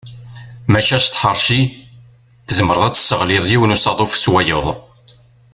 Maca s tḥerci tzemreḍ ad tesseɣliḍ yiwen n usaḍuf s wayeḍ.